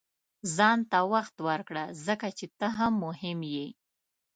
• ځان ته وخت ورکړه، ځکه چې ته هم مهم یې.